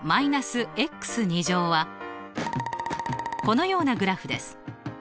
このようなグラフです。